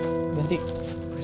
udah sekarang lo ikut gue